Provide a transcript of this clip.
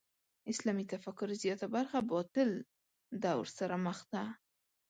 اسلامي تفکر زیاته برخه باطل دور سره مخ ده.